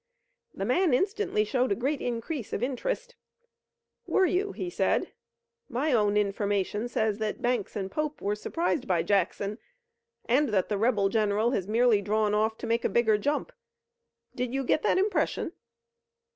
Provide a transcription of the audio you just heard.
The man instantly showed a great increase of interest. "Were you?" he said. "My own information says that Banks and Pope were surprised by Jackson and that the rebel general has merely drawn off to make a bigger jump. Did you get that impression?"